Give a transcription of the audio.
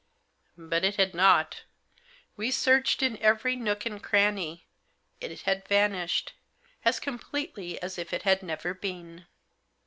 But it had not We searched in every nook and cranny. It had vanished, as completely as if it had never been.